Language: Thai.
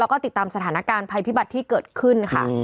แล้วก็ติดตามสถานการณ์ภัยพิบัติที่เกิดขึ้นค่ะ